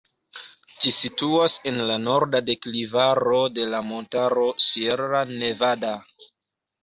Ĝi situas en la norda deklivaro de la montaro Sierra Nevada.